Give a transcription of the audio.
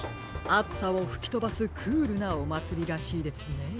あつさをふきとばすクールなおまつりらしいですね。